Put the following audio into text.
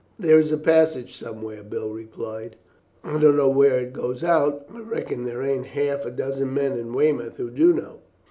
"There is a passage somewhere," Bill replied. "I don't know where it goes out. I reckon there ain't half a dozen men in Weymouth who do know.